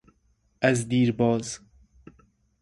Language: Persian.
از دیرباز